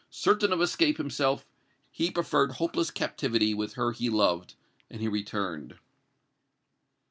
Certain of escape himself, he preferred hopeless captivity with her he loved, and he returned."